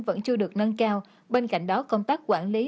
vẫn chưa được nâng cao bên cạnh đó công tác quản lý